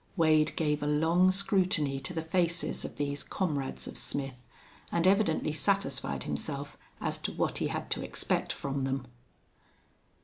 Wade gave a long scrutiny to the faces of these comrades of Smith, and evidently satisfied himself as to what he had to expect from them.